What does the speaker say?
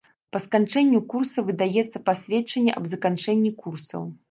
Па сканчэнню курса выдаецца пасведчанне аб заканчэнні курсаў.